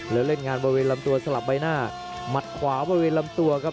แล้วเล่นงานบริเวณลำตัวสลับใบหน้าหมัดขวาบริเวณลำตัวครับ